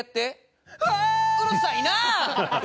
うるさいな！